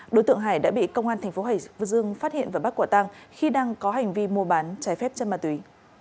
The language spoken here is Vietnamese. đối tượng hải đã bị công an thành phố hải dương phát hiện và bắt quả tăng khi đang có hành vi mua bán trái phép chất ma túy